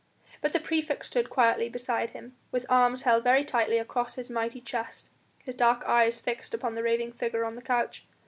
But the praefect stood quietly beside him, with arms held very tightly across his mighty chest, his dark eyes fixed upon the raving figure on the couch.